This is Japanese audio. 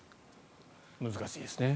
難しいですよね。